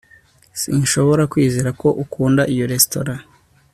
sinshobora kwizera ko ukunda iyo resitora